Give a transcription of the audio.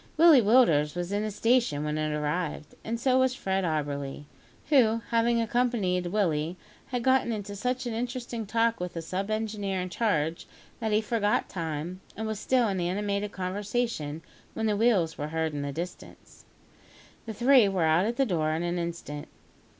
Willie Willders was in the station when it arrived, and so was Fred Auberly, who, having accompanied Willie, had got into such an interesting talk with the sub engineer in charge, that he forgot time, and was still in animated conversation when the wheels were heard in the distance. The three were out at the door in an instant.